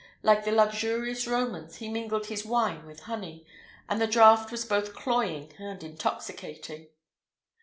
Like the luxurious Romans, he mingled his wine with honey, and the draught was both cloying and intoxicating.